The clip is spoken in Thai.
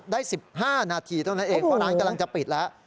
ได้๑๕นาทีเท่านั้นเองเพราะร้านกำลังจะปิดแล้ว